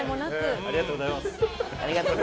ありがとうございます。